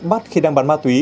bắt khi đang bán ma túy